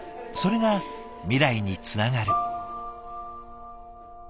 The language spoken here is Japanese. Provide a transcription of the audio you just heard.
それが未来につながる。